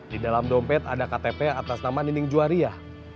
di dalam dompet ada ktp atas nama ninding juwari ya